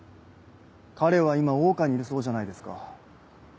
彼は今桜花にいるそうじゃないですか。